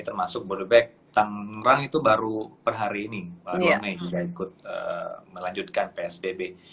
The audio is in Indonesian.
termasuk bodebek tangerang itu baru per hari ini baru mei saya ikut melanjutkan psbb